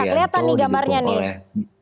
ini gak kelihatan nih gambarnya nih